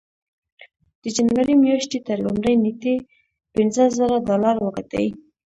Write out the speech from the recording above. د جنوري مياشتې تر لومړۍ نېټې پينځه زره ډالر وګټئ.